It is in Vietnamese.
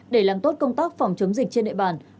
để làm tốt công tác phòng chống dịch trên địa bàn